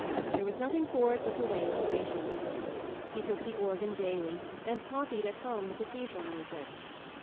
There was nothing for it but to wait in patience. He took the organ daily, and copied, at home, the cathedral music.